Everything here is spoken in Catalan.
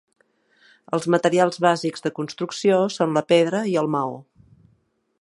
Els materials bàsics de construcció són la pedra i el maó.